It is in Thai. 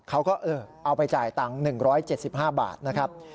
เขาก็เอาไปจ่ายตังค์๑๗๕บาทนะครับ